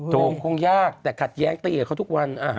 โมงคงยากแต่ขัดแย้งตีกับเขาทุกวัน